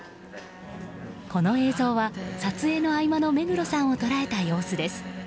この映像は撮影の合間の目黒さんを捉えた様子です。